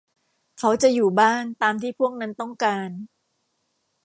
เขาจะอยู่บ้าน ตามที่พวกนั้นต้องการ